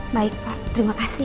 baik pak terima kasih